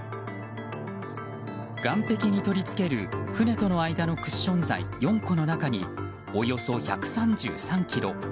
岸壁に取り付ける船との間のクッション材４個の中におよそ１３３ｋｇ。